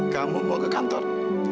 kamu mau ke kantor